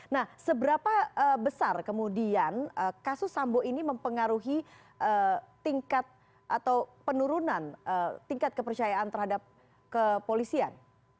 nah seberapa besar kemudian kasus sambo ini mempengaruhi tingkat atau penurunan tingkat kepercayaan terhadap kepolisian